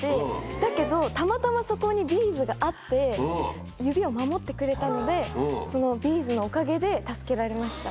だけど、たまたまそこにビーズがあって、指を守ってくれたので、そのビーズのおかげで助けられました。